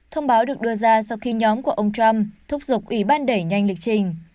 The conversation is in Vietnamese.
thông báo được đưa ra sau khi nhóm của ông trump thúc giục ủy ban đẩy nhanh lịch trình